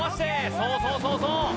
そうそうそうそう！